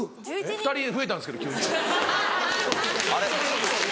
２人増えたんですけど急に。